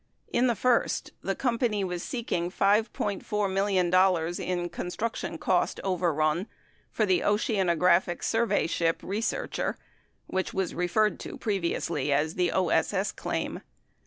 In the first, the company was seeking $5.4 million in construction cost overrun for the Oceanographic Survey Ship Researcher, which was referred to previously as the OSS claim.